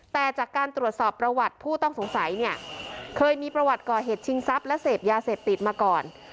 แต่จากการตรวจสอบประวัติผู้ต้องสงสัยเนี่ยเคยมีประวัติก่อเหตุชิงทรัพย์และเสพยาเสพติดมาก่อน